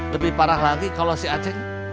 lebih parah lagi kalau si aceh